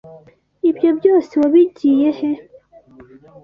Ibyo byose wabigiye he?